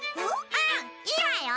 うんいいわよ。